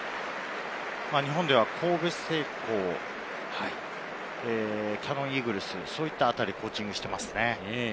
日本では神戸製鋼、キヤノンイーグルス、そういったあたりをコーチングしています。